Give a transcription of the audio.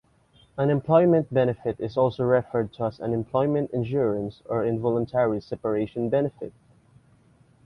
Unemployment benefit is also referred to as unemployment insurance or involuntary separation benefit.